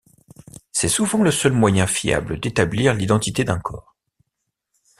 C'est souvent le seul moyen fiable d'établir l'identité d'un corps.